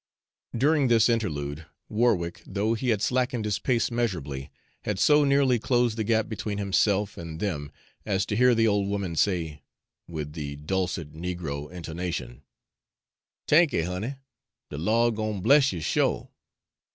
During this interlude, Warwick, though he had slackened his pace measurably, had so nearly closed the gap between himself and them as to hear the old woman say, with the dulcet negro intonation: "T'anky', honey; de Lawd gwine bless you sho'.